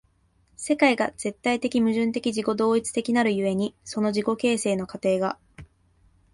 世界が絶対矛盾的自己同一的なる故に、その自己形成の過程が